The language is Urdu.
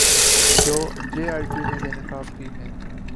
جو جے آئی ٹی نے بے نقاب کی ہیں